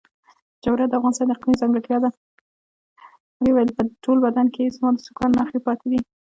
ويې ويل په ټول بدن کښې يې زما د سوکانو نخښې پاتې دي.